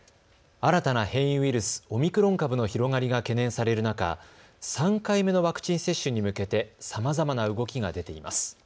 新たな変異ウイルス、オミクロン株の広がりが懸念される中、３回目のワクチン接種に向けてさまざまな動きが出ています。